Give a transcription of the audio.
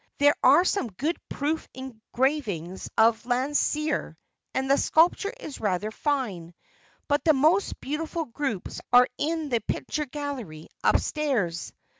There are some good proof engravings of Landseer, and the sculpture is rather fine; but the most beautiful groups are in the picture gallery, upstairs.